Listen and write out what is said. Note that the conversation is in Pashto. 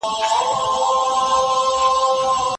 هغه خپل مور او پلار نه یادول.